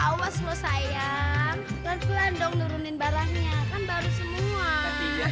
awas lo sayang pelan pelan dong nurunin barangnya kan baru semua